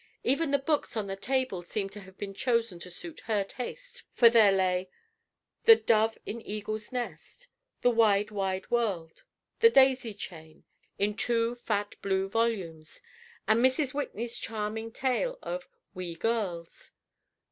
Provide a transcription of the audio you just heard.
Even the books on the table seemed to have been chosen to suit her taste, for there lay "The Dove in the Eagle's Nest;" "The Wide Wide World;" "The Daisy Chain," in two fat blue volumes; and Mrs. Whitney's charming tale of "We Girls."